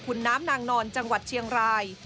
คุณน้ำนางนอนจังหวัดเชียงราย